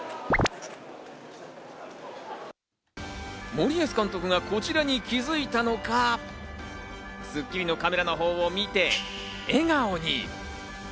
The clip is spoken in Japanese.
森保監督がこちらに気づいたのか、『スッキリ』のカメラのほうを見て笑顔に。